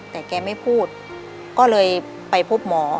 แต่แกไม่พูดก็เลยไปพบหมอ